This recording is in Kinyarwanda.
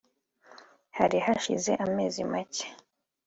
Hari hashize amezi make